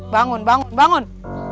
bangun bangun bangun